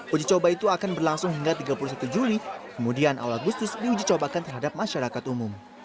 uji coba itu akan berlangsung hingga tiga puluh satu juli kemudian awal agustus diuji cobakan terhadap masyarakat umum